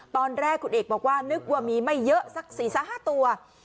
ตอนแรกคุณเอกบอกว่านึกว่ามีไม่เยอะสัก๔๕ตัว